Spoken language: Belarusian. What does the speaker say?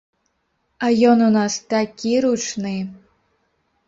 А ён у нас такі ручны!